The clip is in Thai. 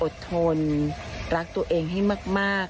ทนรักตัวเองให้มาก